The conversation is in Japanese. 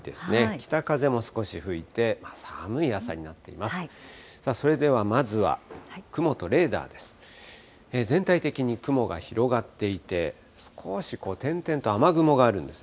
北風も少し吹いて、寒い朝になっています。